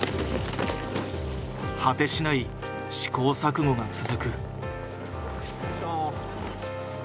果てしない試行錯誤が続く。